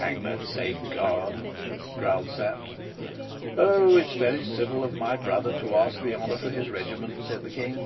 "Hang that same guard!" growled Sapt. "Oh! it's very civil of my brother to ask the honour for his regiment," said the King.